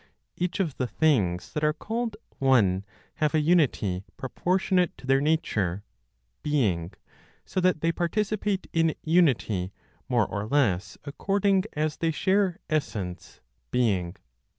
Each of the things that are called "one" have a unity proportionate to their nature ("being"); so that they participate in unity more or less according as they share essence (being).